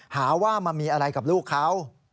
หาว่ามามีอะไรกับลูกเขา